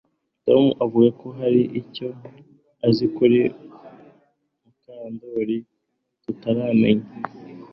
Tom avuga ko hari icyo azi kuri Mukandoli tutaramenya